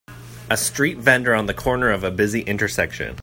A street vendor on the corner of a busy intersection.